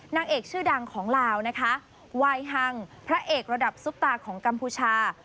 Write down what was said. นางเอกชื่อดังของลาวนะคะวายฮังพระเอกระดับซุปตาของกัมพูชา